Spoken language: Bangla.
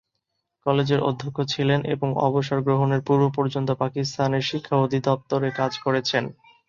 কলেজের অধ্যক্ষ ছিলেন ও অবসর গ্রহণের পূর্ব-পর্যন্ত পাকিস্তানের শিক্ষা অধিদপ্তরে কাজ করেছেন।